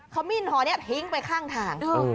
มิ้นหอนี้ทิ้งไปข้างทาง